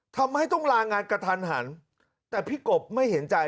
ทำให้ต้องลางานกระทันหันแต่พี่กบไม่เห็นใจ